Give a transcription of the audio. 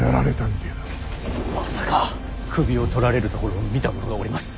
首を取られるところを見た者がおります。